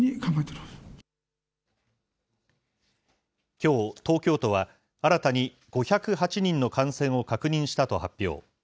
きょう、東京都は、新たに５０８人の感染を確認したと発表。